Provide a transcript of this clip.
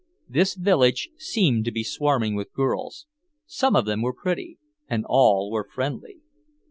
This village seemed to be swarming with girls; some of them were pretty, and all were friendly.